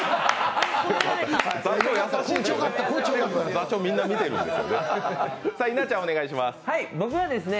座長みんな見てるんですね。